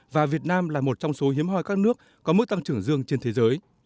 và việt nam là một trong số hiếm hoi các nước có mức tăng trưởng dương trên thế giới